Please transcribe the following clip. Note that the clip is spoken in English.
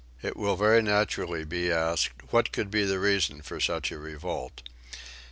It will very naturally be asked what could be the reason for such a revolt?